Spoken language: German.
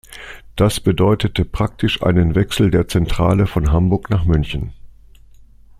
Das bedeutete praktisch einen Wechsel der Zentrale von Hamburg nach München.